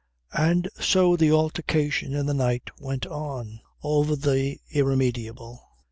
And so the altercation in the night went on, over the irremediable.